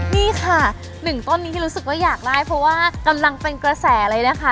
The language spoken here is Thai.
นี่ค่ะหนึ่งต้นนี้ที่รู้สึกว่าอยากได้เพราะว่ากำลังเป็นกระแสเลยนะคะ